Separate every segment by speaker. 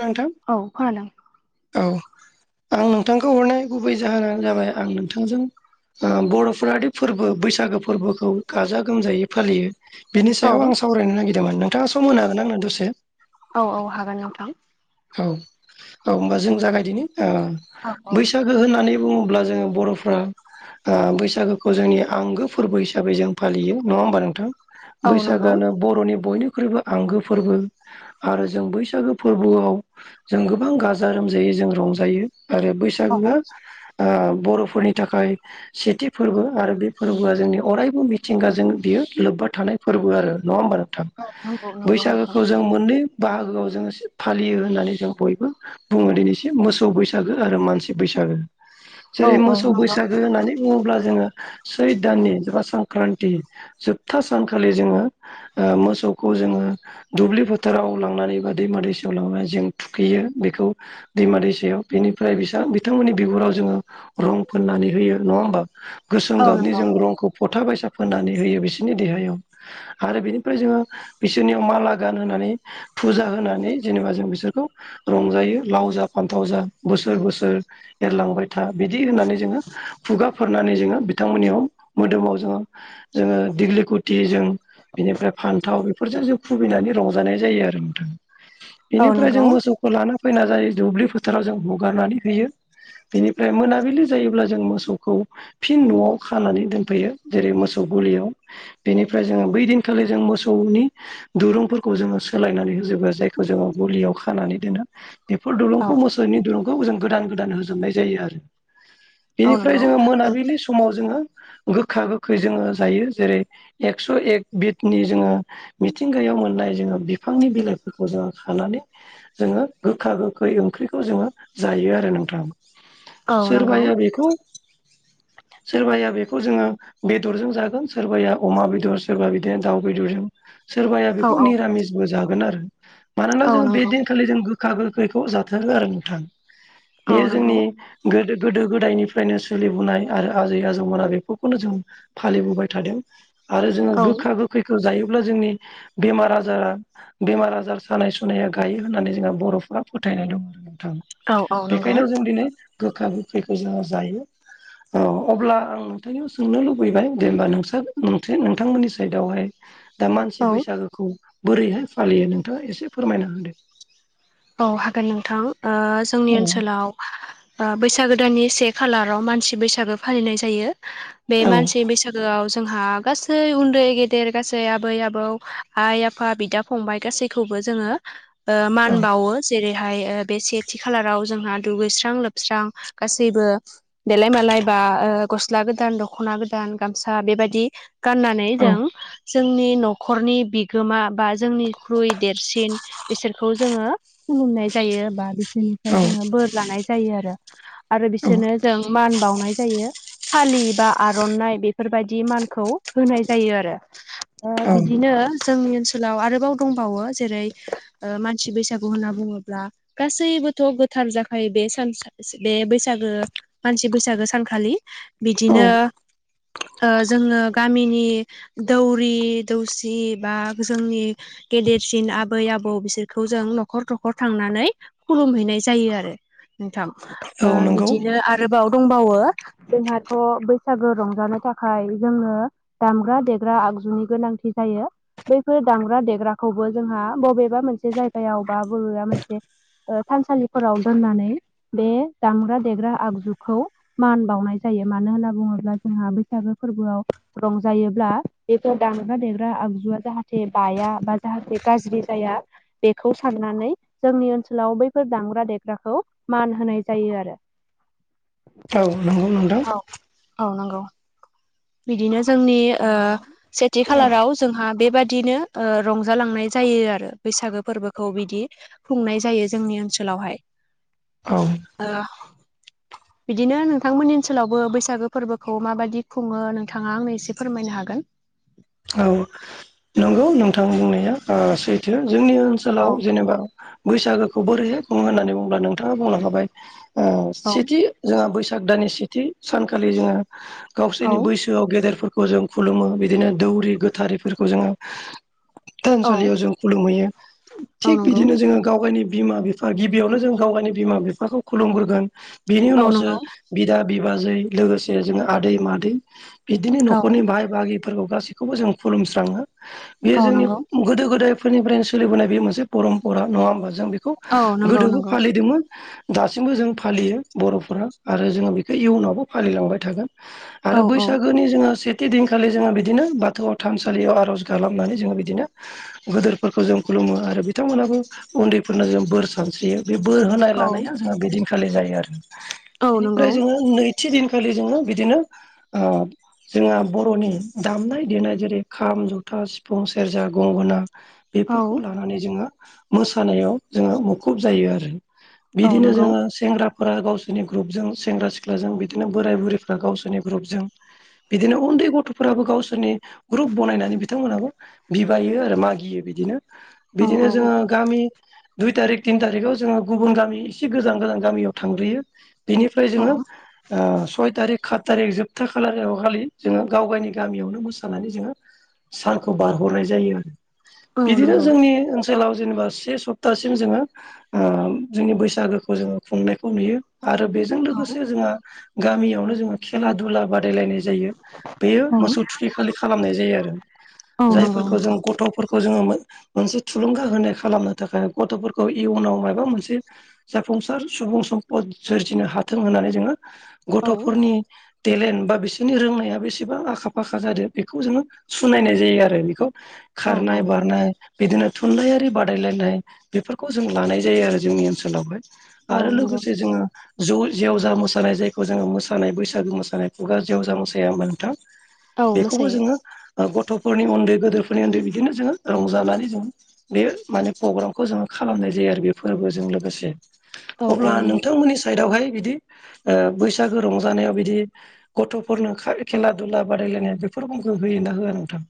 Speaker 1: नोंथां
Speaker 2: औ खोनादों
Speaker 1: औ। आं नोंथांखौ हरनाय गुबै जाहोनानो जाबाय आं नोंथांजों बर'फाद फोरबो बैसागो फोरबोखौ गाजा गोमजायै फालियो। बेनि सायाव आं सावरायनो नागिरदोंमोन नोंथाङा सम मोन हागोन आंना दसे
Speaker 2: औ औ हागोन नोंथां।
Speaker 1: औ औ होनोमबा जों जागायदिनो
Speaker 2: औ औ
Speaker 1: बैसाग होननानै बुङोब्ला जोङो बर'फ्रा बैसागोखौ जोंनि आंगो फोरबो हिसाबै जों फालियो नङा होमबा नोंथां।
Speaker 2: औ नंगौ
Speaker 1: बैसागोआानो बर'नि बयनिख्रुइबो आंगो फोरबो आरो जों बैसागो फोरबोआव जों गोबां गाजा रमजायै जों रंजायो आरो
Speaker 2: औ
Speaker 1: बैसागोआ बर'फोरनि थाखाय सेथि फोरबो आरो बे फोरबोआ जोंनि अरायबो मिथिंगाजों बियो लोब्बा थानाय फोरबो आरो नङा होमबा
Speaker 2: औ नंगौ नंगौ नोंथां
Speaker 1: बैसागोखौ जों मोननै बाहागोआव जोङो फालियो। होननानै जों बयबो बुङो दिनैसिम मोसौ बैसागो आरो मानसि बैसागो।
Speaker 2: औ
Speaker 1: जेरै
Speaker 2: औ
Speaker 1: मोसौ
Speaker 2: नंगौ
Speaker 1: बैसागो होननानै बुङोब्ला जोङो सैद दाननि एबा संक्रान्ति जोबथा सानखालि जोङो मोसौखौ जोङो दुब्लि फोथाराव लांनानै बा दैमा दैसायाव लांनानै जों थुखैयो बेखौ दैमा दैसायाव बेनिफ्राय बिथांमोननि बिगुराव जोङो रं फोननानै होयो नङा होमबा गोसोम
Speaker 2: औ
Speaker 1: गाबनि
Speaker 2: नंगौ
Speaker 1: जों रंखौ फथाबायसा फोननानै होयो बिसोरनि देहायाव। आरो बेनिफ्राय जोङो बिसोरनियाव माला गान होनानै फुजा होनानै जेनेबा जों बिसोर बिसोरखौ रंजायो लाव जा फान्थाव जा बोसोर बोसोर एरलांबाय था बिदि होननानै जोङो खुगाफोरनानै जोङो बिथांमोननियाव मोदोमाव जोङो जोङो दिग्लि कुटि जों बेनिफ्राय फान्थाव बेफोरजों जों खुबैनानै रंजानाय जायो आरो नोंथां।
Speaker 2: औ
Speaker 1: ओमफ्राय जों
Speaker 2: नंगौ
Speaker 1: मोसौखौ लाना फैना जायो दुब्लि फोथाराव जों हगारनानै होयो। बेनिफ्राय मोनाबिलि जायोब्ला जों मोसौखौ फिन न'आव खानानै दोनफैयो जेरै मोसौ गलियाव बेनिफ्राय जोङो बै दिनखालि जों मोसौनि दुरुंफोरखौ जोङो सोलायनानै होजोबो जायखौ जोङो गलियाव खानानै दोनो बेफोर
Speaker 2: औ
Speaker 1: दलुंखौ मोसौ [unintelligible] गोदान गोदान होनाय जायो
Speaker 2: औ
Speaker 1: बेनि
Speaker 2: नंगौ
Speaker 1: ज मोनलि समाव जोङो गोखा गोखै जोङो जायो जेरै एक्स' एक बिदनि जोङो मिथिंगायाव मोननाय जोङो बिफांनि बिलाइफोरखौ जोङो खानानै जोङो गोखा गोखै ओंख्रिखौ जोङो जायो आरो नोंथां।
Speaker 2: औ नंगौ
Speaker 1: सोरबाया बेखौ
Speaker 2: [unintelligible]
Speaker 1: सोरबाया बेखौ जोङो बेदरजों जागोन सोरबाया अमा बेदर सोरबा बिदिनो दाउ बेदरजों सोरबाया
Speaker 2: औ
Speaker 1: बेखौ निरामिसबो जागोन आरो। मानोना
Speaker 2: औ
Speaker 1: जों बे
Speaker 2: नंगौ
Speaker 1: दिनखालि जों गोखा गोखैखौ जाथारो आरो नोंथां
Speaker 2: औ
Speaker 1: बेयो
Speaker 2: नंगौ
Speaker 1: जोंनि गोदो गोदो गोदायनिफ्रायनो सोलिबोनाय आरो आजै आजौमोना बेफोरखौनो जों फालिबोबाय थादों। आरो जोङो
Speaker 2: औ
Speaker 1: गोखा गोखैखौ जायोब्ला जोंनि बेमार आजारा बेमार आजार सानाय सुनाया गायो होननानै जोंहा बर'फ्रा फोथायनाय दं आरो नोंथां
Speaker 2: औ नंगौ
Speaker 1: बेखायनो जों दिनै गोखा गोखैखौ जोङो जायो। औ अब्ला आं नोंथांनियाव सोंनो लुबैबाय जेनबा नोंस नोंथांमोननि साइदआवहाय दा मानसि
Speaker 2: औ
Speaker 1: बैसागोखौ बोरैहाय फालियो नोंथाङा एसे फोरमायना होदो
Speaker 2: औ हागोन नोंथां जोंनि
Speaker 1: औ
Speaker 2: ओनसोलाव बैसागोदाननि से खालाराव मानसि बैसागो फालिनाय जायो। बे मानसि
Speaker 1: औ
Speaker 2: बैसागु लोगोआव जोंहा गासै उन्दै गेदेर गासै आबै आबौ आइ आफा बिदा फंबाय गासैखौबो जों मान बावो जेरैहाय बे सेथि खालाराव जोंहा दुगैस्रां लोबस्रां गासैबो देलाय मालाय बा गस्ला गोदान दख'ना गोदान गामसा बेबायदि गाननानै नाय
Speaker 1: औ
Speaker 2: जों जोंनि न'खरनि बिगोमा बा जोंनिख्रुइ देरसिन बिसोरखौ जोङो खुलुमनाय जायो बबा बिसोरनिफ्राय जोङो बोर लानाय जायो आरो। आरो बिसोरनो जों मान बावनाय जायो। फालि बा आर'नाइ बेफोरबायाददि मानखौ होनाय जायो आरो।
Speaker 1: औ
Speaker 2: बिदिनो जोंनि ओनसोलाव आरोबाव दंबावो जेरै मानसि बैसाग बैसागु होनना बुङोब्ला गासैबोथ' गोथार जाखायो बे सान बे बैसागो। मानसि बैसागो सानखालि
Speaker 1: औ
Speaker 2: बिदिनो जोङो गामिनि दौरि दौसि बा जोंनि गेदेरसिन आबै आबौ बिसोरखौ जों नख नखर नखर थांनानै खुलुमहैनाय जायो आरो नोंथां।
Speaker 1: औ नंगौ
Speaker 2: बिदिनो आरोबाव दंबावो। जोंहाथ' बैसागो रंजानो थाखाय जोङो दामग्रा देग्रा आगजुनि गोनांथि जायो। बैफोर दामग्रा देग्राखौबो जोंहा बबेबा मोनसे जायगायाव बा बरबआ मोनसे थानसालिफोराव दोननानै बे दामग्रा देग्रा आगजुखौ मान बावनाय जायो मानो होनना बुङोब्ला जोंहा बैसागो फोरबोआव रंजायोब्ला बेफोर दामग्रा देग्रा आगजुआ जाहाथे बाया बा जाहाथे गाज्रि जाया बेखौ सारनानै जोंनि ओनसोलाव बैफोर दामग्रा देग्राखौ मान होनाय जायो आरो। [unintelligible]
Speaker 1: राव नंगौ नोंदां।
Speaker 2: औ औ नंगौ बिदिनो जोंनि
Speaker 1: अब्ला
Speaker 2: सेथि खालाराव जोंहा बेबाददिनो रंजालांनाय जायो आरो बैसागो फोरबोखौ। खौ बिदि खुंनाय जायो जोंनि ओनसोलावहाय।
Speaker 1: औ।
Speaker 2: [inaudible] बिदिनो नोंथांमोननि ओनसोलावबो बैसागो फोरबोखौ माबायदि खुङो नोंथाङा आंनो एसे फोरमायनो हागोन।
Speaker 1: औ नंगौ नोंथां बुंनाया सैथो जोंनि
Speaker 2: औ
Speaker 1: ओनसोलाव जेनेबा बैसागोखौ बोरैहाय बुङो होननानै बुंुङोब्ला नोंथाङा बुंनो हाबाय
Speaker 2: औ
Speaker 1: सेथि जोंहा बैसाग दाननि सेथि सानखालि जोङो गावसोरनि
Speaker 2: औ
Speaker 1: बैसो गोसोआव गेदेरफोरखौ जों खुलुमो बिदिनो दौरि गोथारैफोरखौ जोङो
Speaker 2: औ
Speaker 1: थानसालियाव जों खुलुमहैयो
Speaker 2: औ
Speaker 1: थिग
Speaker 2: नंगौ
Speaker 1: बिदिनो जोङो गाव गावनि बिमा बिफा गिबियावनो जों गाव गावनि बिमा बिफाखौ खुलुमग्रोगोन बिनि
Speaker 2: औ
Speaker 1: उनावसो
Speaker 2: नंगौ
Speaker 1: बिदा बिबाजै लोगोसे जोङो आदै मादै बिदिनो
Speaker 2: औ
Speaker 1: न'खरनि बाय बागिफोरखौ गासिबो बेखौबो जों खुलुमस्राङो बेयो
Speaker 2: औ
Speaker 1: जोंनि
Speaker 2: नंगौ
Speaker 1: गोदो गोदायफोरनिफ्रायनो सोलिबोनाय बे मोनसे परम्परा नङा होमबा जों बेखौ
Speaker 2: औ नंगौ
Speaker 1: गोदोबो
Speaker 2: नंगौ
Speaker 1: फालिदोंमोन। दासिमबो जों फालियो बर'फोरा आरो जोङो बेखौ इयुनावबो फालिलांबाय थागोन।
Speaker 2: औ
Speaker 1: आरो
Speaker 2: औ
Speaker 1: बैसागोनि जोङो सेथि दिनखालि जोङो बिदिनो बाथ गोाथौ थानसालियाव आर'ज गाबनानै जोङो बिदिनो गदोरफोरखौ जों खुलुमो आरो बिथांमोनहाबो उन्दैफोरनो जों बोर सानस्रियो। बे बोर होनाय
Speaker 2: औ
Speaker 1: लानाया जोंहा बेदिनखालि जायो आरो
Speaker 2: औ नंगौ
Speaker 1: बेनिफ्राय जोङो नै थि दिनखालि जोङो बिदिनो जोंहा बर'नि दामनाय दनाय जेरै खाम जथा सिफुं सेरजा गंगोना
Speaker 2: औ
Speaker 1: बेफोरखौ लानानै जोङो मोसानायाव जोङो मुखुब जायो आरो
Speaker 2: औ
Speaker 1: बिदिनो
Speaker 2: नंगौ
Speaker 1: जोङो सेंग्रा गावसोरनि ग्रुपजों सेंग्रा सिख्लाजों बिदिनो बोराय बुरैफ्रा गावसोरनि ग्रुपजों बिदिनो उन्दै गथ'फोराबो गावसोरनि ग्रुप बनायनानै बिथांमोनाबो बिबायो आरो मागियो बिदिनो
Speaker 2: औ
Speaker 1: बिदिनो
Speaker 2: औ
Speaker 1: जोङो गामि दुइ थारिख थिन थारिखआव जोङो गुबुन गामि एसे गोजान गोजान गामियाव थांग्रोयो। बिनिफ्राय जोङो सय थारिख खाात थारिख जोबथा खालार खालि जोङो गाव गावनि गामियावनो मोस जोङो सानखौ बारहरनाय जायो आरो
Speaker 2: औ
Speaker 1: बिदिनो
Speaker 2: नंगौ
Speaker 1: जोंनि ओनसो ओन सोलाव जेनेबा से सप्तासिम जोङो। जोंनि बैसागोखौ जोङो खुंनायखौ नुयो आरो बे जों
Speaker 2: औ
Speaker 1: लोगोसे जोंहा गामियावनो जोो खेला दुला बादायलायनाय बे
Speaker 2: औ
Speaker 1: मोसौ थख खालि खालामनाय जायो आरो
Speaker 2: औ नंगौ
Speaker 1: जायफोरखौ
Speaker 2: नोंथां
Speaker 1: जों ग गथ'फोरखौ जोङो मोनसे थुलुंगा होनाय खालामनो थाखाय गथ'फोरखौ इयुनाव माबा मोनसे जाफुंसार सुबुं सम्पद सोरजिनो हाथों होननानै जोङो
Speaker 2: औ
Speaker 1: गथ'फोरनि टेलेन्ट बा बिसोरनि रोंनाया बेसेबां आखा फाखा जादों। बेखौ जोङो सुनायनाय जायो आरो बेखौ
Speaker 2: औ
Speaker 1: खारनाय
Speaker 2: नंगौ
Speaker 1: बारनाय। बिदिनो थुनलाइयारि बादायलायनाय बेफोरखौ जों लानाय जायो आरो जोंनि ओनसोलावहाय।
Speaker 2: औ
Speaker 1: आरो
Speaker 2: नंगौ
Speaker 1: लोगोसे
Speaker 2: नोंथां
Speaker 1: जोङो जौ जेवजा मोसानाय जायखौ जोङो मोसानाय बैसागु मोसानाय खुगा जेवजा मोसाया होमबा नोंथां।
Speaker 2: औ
Speaker 1: बेखौबो
Speaker 2: मोसायो
Speaker 1: जोङो गथ'फोरनि उन्दै गोदेरफोरनि उन्दै बिदिनो जोङो रंजानानै जों बे माने प्रग्रामखौ जोङो खालामनाय जायो आरो बे फोरबोजों लोगोसे।
Speaker 2: औ औ
Speaker 1: अब्ला
Speaker 2: नंगौ
Speaker 1: नोंथांमोननि साइदावहाय बिदि बैसागो रंजानायाव बिदि गथ'फोरनो खेला दुला बादायलायनाय बेफोरखौ होयोना होआ नोंथां।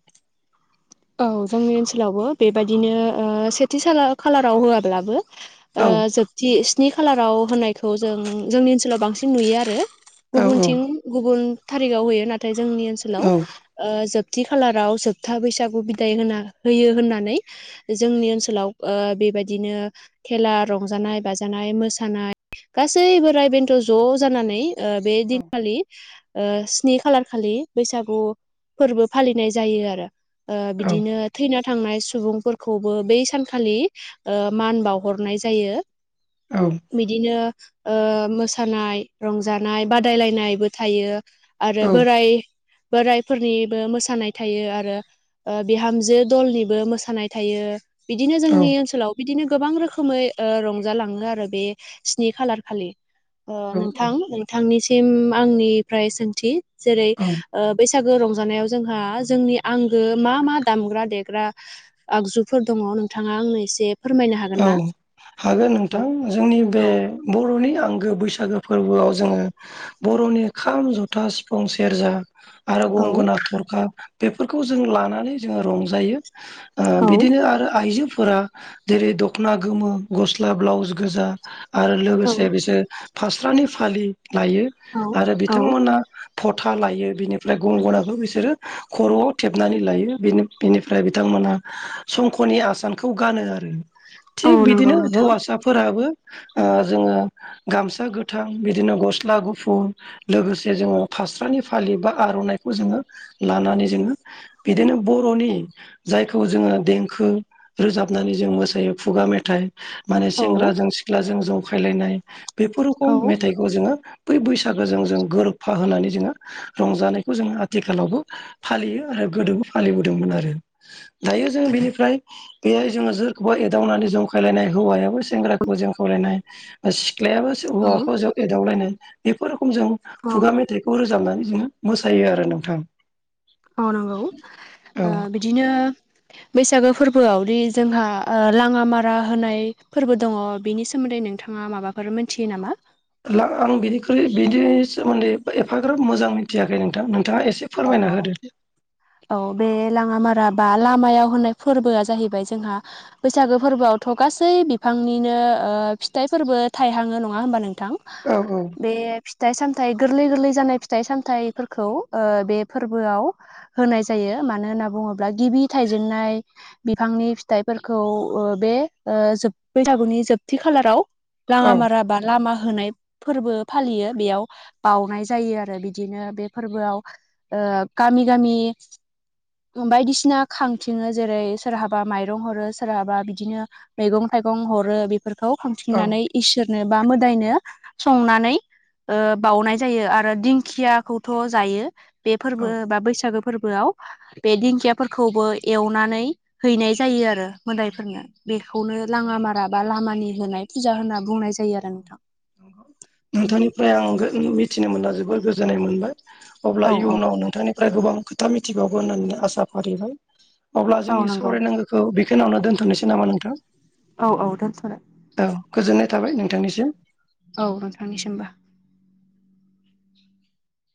Speaker 2: औ जोंनि ओनसोलावबो बेबायाददिनो सेथि खालाराव होआब्लाबो।
Speaker 1: औ
Speaker 2: जोबथि स्नि खालाराव होनायखौ जों जोंनि ओनसोलाव बांसिन नुयो आरो।
Speaker 1: औ
Speaker 2: गुबुनथिं गुबुन थारिगाव होयो नाथाय जोंनि ओनसोलाव
Speaker 1: औ
Speaker 2: ओ जोबथि खालाराव जोबथा बैसागु बिदाय होना होयो होननानै जोंनि ओनसोलाव ओ बेबायदिनो खेला रंजानाय बाजानाय मोसानाय गासै बोराय बेन्थ' ज' जानानै ओ बे दिनखालि ओ स्नि खालार खालि बैसागु फोर्बो फालिनाय जायो आरो ओ
Speaker 1: औ
Speaker 2: बिदिनो थैना थांनाय सुबुंफोरखौबो बै सानखालि ओ मान बावहरनाय जायो।
Speaker 1: औ
Speaker 2: बिदिनो ओ मोसानाय रंजानाय बादायलायनायबो थायो। आरो
Speaker 1: औ
Speaker 2: बोराय बोराइफोरनिबो मोसानाय थायो आरो बिहामजो दलनिबो मोसानाय थायो बिदिनो जोंनि
Speaker 1: औ
Speaker 2: ओनसोलाव बिदिनो गोबां रोखोमै ओ रंजालाङो आरो बे स्नि खालार खालि ओ नोंथां नोंथांनिसिम आंनिफ्राय सोंथि जेरै
Speaker 1: औ
Speaker 2: ओ बैसागो रंजानायाव जोंहा जोंनि आंगो मा मा दामग्रा देग्रा आगजुफोर दङ' नोंथाङा आंनो एसे फोरमायनो हागोन
Speaker 1: औ
Speaker 2: ना
Speaker 1: हागोन
Speaker 2: औ
Speaker 1: नोंथां जोंनि
Speaker 2: औ
Speaker 1: बे बर'नि आंगो बैसागो फोरबोआव जोंङो बर'नि खाम जथा सिफुं सेरजा आरो गंगोना थरखा बेफोरखौ जों लानानै जोंङो रंजायो। ओ
Speaker 2: औ
Speaker 1: बिदिनो आरो आइजोफोरा। जेरै दख'ना गोमो गस्ला ब्लाउस गोजा आरो
Speaker 2: औ
Speaker 1: लोगोसे बिसोर फास्रानि फालि लायो
Speaker 2: औ
Speaker 1: आरो
Speaker 2: औ
Speaker 1: बिथांमोना फथा लायो बिनिफ्राय गंगनाखौ बिसोरो खर'आव थेबनानै लायो बेनिफ्राय बिथांमोना संख'नि आसानखौ गानो आरो
Speaker 2: औ
Speaker 1: थिग
Speaker 2: नंगौ
Speaker 1: बिदिनो
Speaker 2: नोंथां
Speaker 1: हौवासाफोराबो ओ जोंङो गामसा गोथां बिदिनो गस्ला गुफुर लोगोसे जोंङो फास्रानि फालि बा आर'नाइखौ जोंङो लानानै जोंङो बिदिनो बर'नि जायखौ जोंङो देंखो रोजाबनानै जों मोसायो खुगा मेथाइ माने
Speaker 2: औ
Speaker 1: सेंग्राजों सिख्लाजों जंखायलायनाय बेफोर रख
Speaker 2: औ
Speaker 1: मेथाइ जोंङो बै बैसागोजों जों गोरोबफा होनानै जोंङो रंजानायखौ जोंङो आथिखालावबो फालियो आरो गोदोबो फालिबोदोंमोन आरो दायो जों बेनिफ्राय बेहाय जोंङो जो खौबो एदावनानै जंखायलायनाय हौवायाबो सेंग्राखौबो जों खावलायनाय सिख्लायाबो
Speaker 2: औ
Speaker 1: हौवाखौ जों एदावलायनाय बेफोर रोखोम जों खुगा मेथाइ खौ रोजाबनानै जोंङो मोसायो आरो नोंथां
Speaker 2: औ नंगौ ओ बिदिनो बैसागो फोरबोआवदि जोंहा ओ लांङा मारा होनाय फोर्बो दंङ' बिनि सोमोन्दै नों थांङा माबाफोर मोनथियो नामा?
Speaker 1: आं बिनिख्रुइ बिनि सोमोन्दै एफाग्राब मोजां मिथियाखै नोंथां नोंथांङा एसे
Speaker 2: औ
Speaker 1: फोरमायना
Speaker 2: औ
Speaker 1: होदो।
Speaker 2: औ बे लांङामारा बा लामायाव होननाय फोरबोआ जाहैबाय जोंहा बैसागो फोरबोआवथ' गासै बिफांनिनो ओ फिथाइफोरबो थायहांङो नंङा होनबा नोंथां
Speaker 1: औ औ
Speaker 2: बे फिथाइ सामथायाइ गोरलै गोरलै जानाय फिथाइ सामथायाइफोरखौ ओ बे फोर्बोआव होनाय जायो मानो होनना बुङोब्ला गिबि थायजेनन्नाय बिफांनि फिथाइफोरखौ बे ओ जोब बैसागुनि जोबथि खालाराव लांङा
Speaker 1: औ
Speaker 2: मारा बा लामा होनाय फोर्बो फालियो बेयाव बउनाय जायो आरो बिदिनो बे फोर्बोआव ओ गामि गामि बायदिसिना खांथिंङो जेरै सोरहाबा माइरं हरो सोरहाबा बिदिनो मैगं थाइगं हरो बे फोरखौ खांथिंनानै इसोरनो बा मोदायनो संनानै ओ बाउनाय जायो आरो दिंखियाखौथ' जायो बे
Speaker 1: औ
Speaker 2: फोरबो बा बैसागो फोरबोआव। बे दिंखियाफोरखौबो एवनानै हैनाय जायो आरो। मोदायफोरनो बेखौनो लाङामारा बा लामानि होनाय फुजा होनना बुंनाय जायो आरो नोंथां।
Speaker 1: नोंथांनिफ्राय आं गो मिथिनो मोनना जोबोर गोजोननाय मोनबाय। अब्ला
Speaker 2: औ औ
Speaker 1: इयुनाव नोंथांनिफ्राय गोबां खोथा मिथिबावगोन होननानै आसा फारिबाय। अब्ला
Speaker 2: औ
Speaker 1: जोंनि
Speaker 2: नंगौ
Speaker 1: सावरायनांगौखौ बेखिनियावनो दोनथ'नोसै नामा नोंथां?
Speaker 2: औ औ दोनथ'दो
Speaker 1: औ गोजोननाय थाबाय नोंथांनिसिम।
Speaker 2: औ नोंथांनिसिमबो।